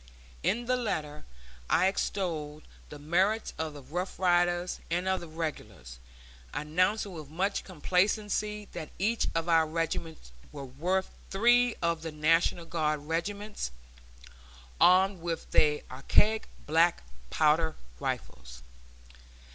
In the letter I extolled the merits of the Rough Riders and of the Regulars, announcing with much complacency that each of our regiments was worth "three of the National Guard regiments, armed with their archaic black powder rifles."